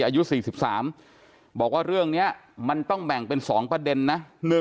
อายุ๔๓บอกว่าเรื่องนี้มันต้องแบ่งเป็น๒ประเด็นนะ